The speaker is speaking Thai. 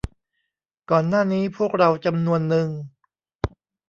ก่อนหน้านี้พวกเราจำนวนนึง